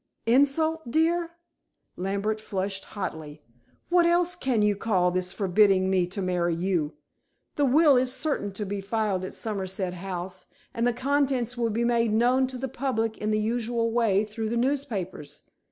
"Insult, dear?" Lambert flushed hotly. "What else can you call this forbidding me to marry you? The will is certain to be filed at Somerset House, and the contents will be made known to the public in the usual way, through the newspapers.